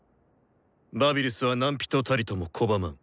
バビルスは何人たりとも拒まん。